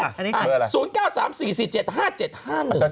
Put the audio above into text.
อันนี้คืออะไร